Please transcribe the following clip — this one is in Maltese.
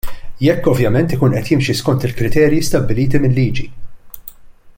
Jekk ovvjament ikun qed jimxi skont il-kriterji stabbiliti mil-liġi.